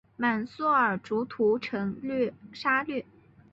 满速儿遂屠城杀掠。